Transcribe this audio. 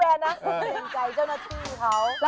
ไม่ได้รักชื่อแวร์นะ